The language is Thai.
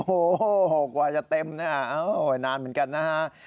โอ้โหกว่าจะเต็มนะฮะนานเหมือนกันนะฮะ